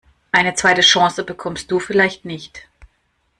Eine zweite Chance bekommst du vielleicht nicht.